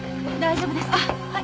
はい！